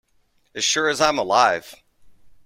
As sure as I am alive.